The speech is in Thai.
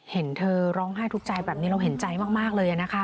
เห็นเธอร้องไห้ทุกใจแบบนี้เราเห็นใจมากเลยนะคะ